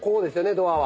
ドアは。